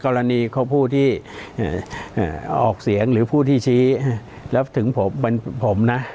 กรณีของผู้ที่ออกเสียงหรือผู้ที่ชี้แล้วถึงผมนะ